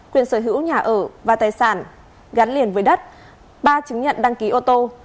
quyền sở hữu nhà ở và tài sản gắn liền với đất ba chứng nhận đăng ký ô tô